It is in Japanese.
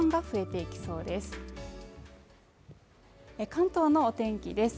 関東のお天気です